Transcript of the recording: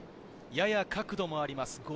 やや角度もあります。